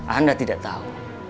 anda tidak tahu